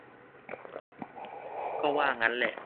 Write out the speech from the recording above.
ก็ว่างั้นแหละ